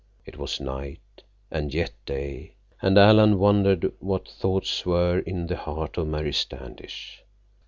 It was night and yet day, and Alan wondered what thoughts were in the heart of Mary Standish.